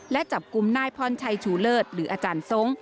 และจับกลุ่มนายพรชัยชูเลิศหรืออาจารย์ทรง